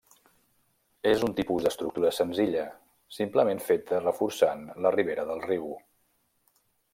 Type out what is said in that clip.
És un tipus d'estructura senzilla, simplement feta reforçant la ribera del riu.